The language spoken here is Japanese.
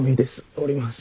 下ります。